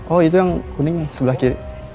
oh itu yang kuning sebelah kiri